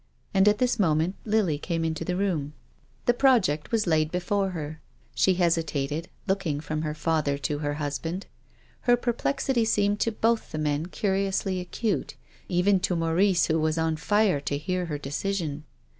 And at this moment Lily came into the room. 242 TONGUES OF CONSCIENCE. The project was laid before her. She hesitated, looking from her father to her husband. Her perplexity seemed to both the men curiously acute, even to Maurice who was on fire to hear her decision.